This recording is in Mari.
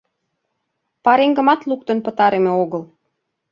Пареҥгымат луктын пытарыме огыл.